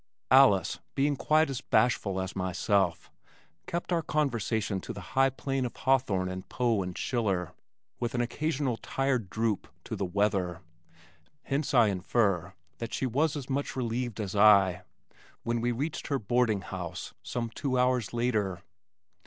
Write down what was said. Alice, being quite as bashful as myself, kept our conversation to the high plane of Hawthorne and Poe and Schiller with an occasional tired droop to the weather, hence I infer that she was as much relieved as I when we reached her boarding house some two hours later.